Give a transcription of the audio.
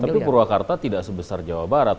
tapi purwakarta tidak sebesar jawa barat